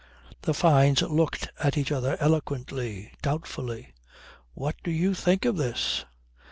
The Fynes looked at each other eloquently, doubtfully: What do you think of this?